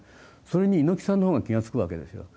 それに猪木さんの方が気が付くわけですよ。